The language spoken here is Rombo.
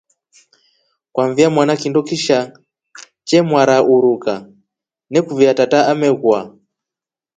Kwambia mwana kindo kisha chemwara uruka nekuvia tata umekwa.